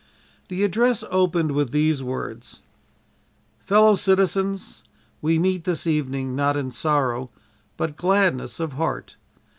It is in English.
The address opened with these words: "FELLOW CITIZENS: We meet this evening not in sorrow, but gladness of heart.